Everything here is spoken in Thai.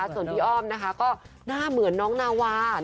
ส่วนพี่อ้อมนะคะก็หน้าเหมือนน้องนาวา